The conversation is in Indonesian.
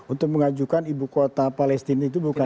untuk mengajukan ibu kota palestina itu bukan